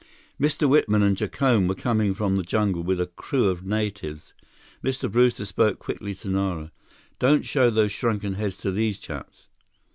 Mr. Whitman and Jacome were coming from the jungle with a crew of natives. Mr. Brewster spoke quickly to Nara. "Don't show those shrunken heads to these chaps!"